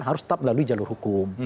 harus tetap melalui jalur hukum